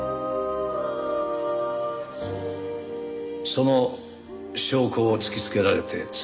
その証拠を突きつけられて鶴見は自白。